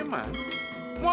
kamu tuh bagaimana